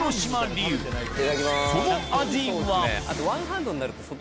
その味は？